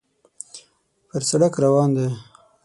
پر سړک روان دی.